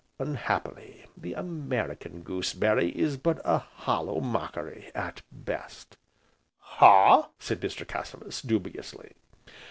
Unhappily the American goose berry is but a hollow mockery, at best " "Ha?" said Mr. Cassilis, dubiously.